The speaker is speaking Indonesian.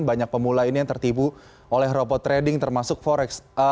banyak pemula ini yang tertipu oleh robot trading termasuk forex